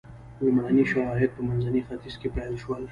لومړني شواهد په منځني ختیځ کې پیل شول.